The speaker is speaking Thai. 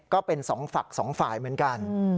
ก็เป็นสองฝั่งสองฝ่ายเหมือนกัน